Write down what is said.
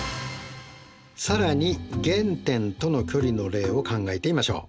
更に原点との距離の例を考えてみましょう。